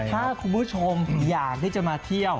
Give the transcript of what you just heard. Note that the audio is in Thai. ถ้าคุณผู้ชมอยากที่จะมาเที่ยว